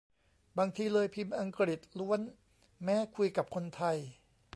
บางทีเลยพิมพ์อังกฤษล้วนแม้คุยกับคนไทย